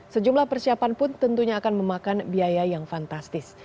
sejumlah persiapan pun tentunya akan memakan biaya yang fantastis